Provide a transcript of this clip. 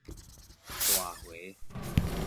大茴